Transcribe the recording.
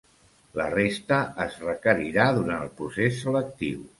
La resta es requerirà durant el procés selectiu.